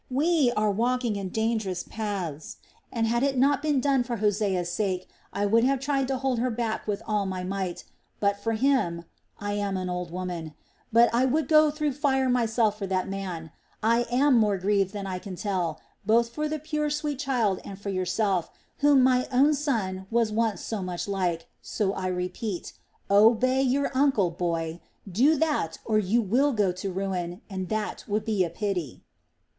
We are walking in dangerous paths, and had it not been done for Hosea's sake, I would have tried to hold her back with all my might. But for him I am an old woman; but I would go through fire myself for that man. I am more grieved than I can tell, both for the pure, sweet child and for yourself, whom my own son was once so much like, so I repeat: Obey your uncle, boy! Do that, or you will go to ruin, and that would be a pity!"